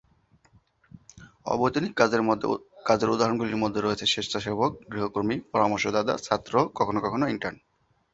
অবৈতনিক কাজের উদাহরণগুলির মধ্যে রয়েছে স্বেচ্ছাসেবক, গৃহকর্মী, পরামর্শদাতা, ছাত্র এবং কখনও কখনও ইন্টার্ন।